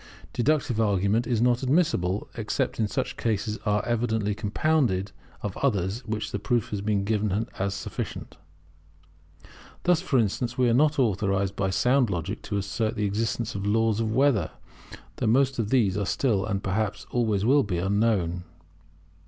Deductive argument is not admissible, except in such cases as are evidently compounded of others in which the proof given has been sufficient. Thus, for instance, we are authorized by sound logic to assert the existence of laws of weather; though most of these are still, and, perhaps, always will be, unknown.